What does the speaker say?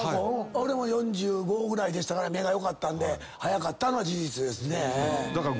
俺も４５ぐらいでしたから目が良かったんで早かったのは事実ですね。